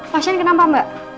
pasien kenapa mbak